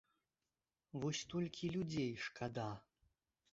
Вось толькі людзей шкада.